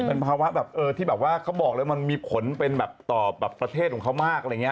เป็นภาวะแบบที่เขาบอกเลยมันมีผลเป็นต่อประเทศของเขามาก